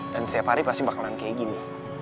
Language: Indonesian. dan setiap hari pasti bakalan kaya gini